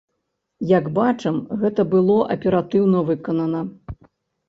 Як бачым, гэта было аператыўна выканана.